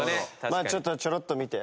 まあちょっとちょろっと見て。